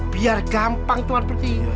biar gampang tuan putri